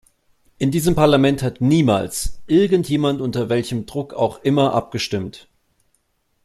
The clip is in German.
In diesem Parlament hat niemals irgend jemand unter welchem Druck auch immer abgestimmt.